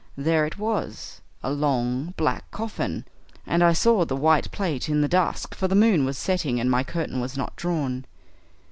There it was, a long black coffin, and I saw the white plate in the dusk, for the moon was setting and my curtain was not drawn.